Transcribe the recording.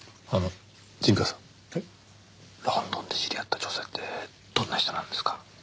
ロンドンで知り合った女性ってどんな人なんですか？